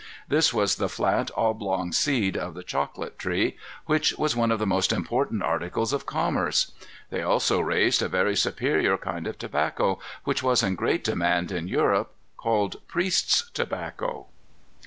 This was the flat oblong seed of the chocolate tree, which was one of the most important articles of commerce. They also raised a very superior kind of tobacco, which was in great demand in Europe, called priests' tobacco.